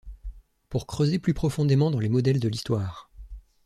Pour creuser plus profondément dans les modèles de l’Histoire.